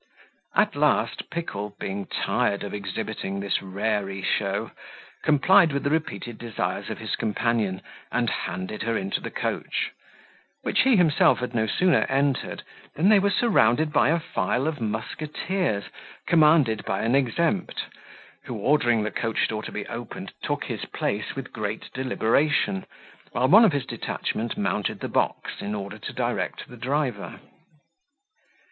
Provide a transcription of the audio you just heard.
At last Pickle, being tired of exhibiting this raree show, complied with the repeated desires of his companion, and handed her into the coach; which he himself had no sooner entered, than they were surrounded by a file of musqueteers, commanded by an exempt, who, ordering the coach door to be opened, took his place with great deliberation, while one of his detachment mounted the box, in order to direct the driver.